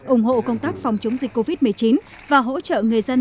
ủng hộ công tác phòng chống dịch covid một mươi chín và hỗ trợ người dân